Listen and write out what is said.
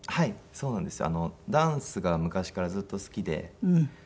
そうなんですよ。